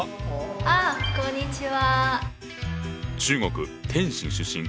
あこんにちは。